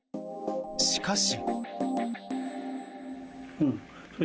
しかし。